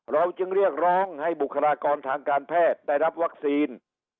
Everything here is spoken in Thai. เราจึงเรียกร้องให้บุคลากรทางการแพทย์ได้รับวัคซีน